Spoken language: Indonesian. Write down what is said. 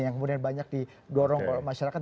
yang kemudian banyak di dorong oleh masyarakat